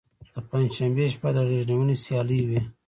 په پنجشنبې شپه د غیږ نیونې سیالۍ وي.